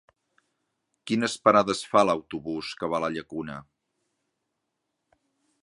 Quines parades fa l'autobús que va a la Llacuna?